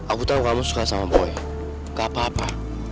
aku tau kamu suka sama boy gak apa apa